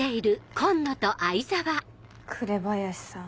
紅林さん